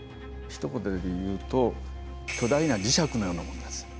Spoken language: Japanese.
ひと言で言うと巨大な磁石のようなものです。